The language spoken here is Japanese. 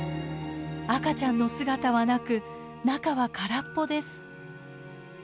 赤ちゃんの姿はなく中は空っぽです。